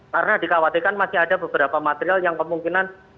karena dikhawatirkan masih ada beberapa material yang kemungkinan